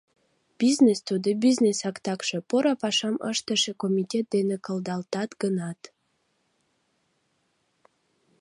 Бизнес, тудо, бизнесак такше, поро пашам ыштыше комитет дене кылдалтат гынат.